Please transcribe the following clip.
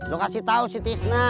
lo kasih tahu si tisna